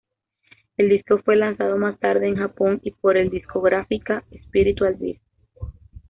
El disco fue lanzado más tarde en Japón y por el discográfica Spiritual Beast.